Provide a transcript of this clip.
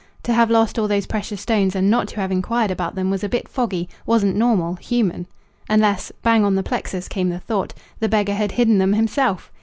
To have lost all those precious stones and not to have inquired about them was a bit foggy, wasn't normal, human. Unless bang on the plexus came the thought! the beggar had hidden them himself.